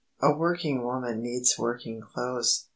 A working woman needs working clothes.